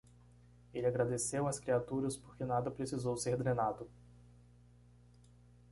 Ele agradeceu às criaturas, porque nada precisou ser drenado.